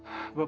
ada apa pak